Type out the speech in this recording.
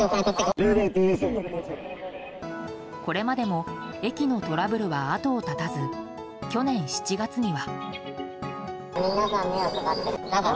これまでも駅のトラブルは後を絶たず去年７月には。